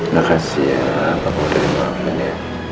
makasih ya papa boleh di maafin ya